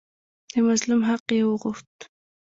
د مظلوم حق یې وغوښت.